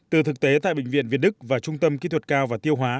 từ thực tế tại bệnh viện việt đức và trung tâm kỹ thuật cao và tiêu hóa